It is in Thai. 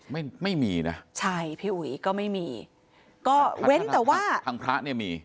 ไม่มีนะใช่พี่อุ๋ยก็ไม่มีก็เว้นแต่ว่าทางพระเนี่ยมี